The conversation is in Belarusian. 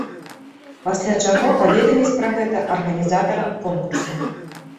Пасля чаго паведаміць пра гэта арганізатарам конкурсу.